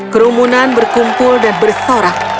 kerumunan berkumpul dan bersorak